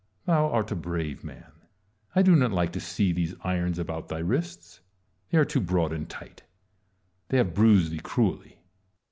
Tliou art a brave man. I do not like to see those irons about thy wrists : they are too broad and tight ; they have bruised thee cruelly.